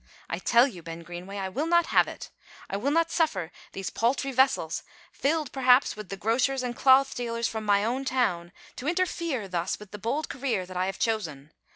I tell you, Ben Greenway, I will not have it. I will not suffer these paltry vessels, filled, perhaps, with the grocers and cloth dealers from my own town, to interfere thus with the bold career that I have chosen.